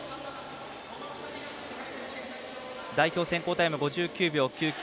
代表選考タイム、５９秒９９。